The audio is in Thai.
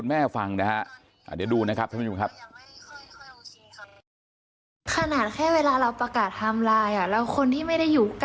แต่ว่าเขาควรออกมาแสดงความรับผิดชอบหรือมาพูดแก้คับให้ร้านคับคนที่มันกระโทษป่ะค่ะ